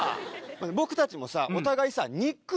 僕たちもさお互いさ。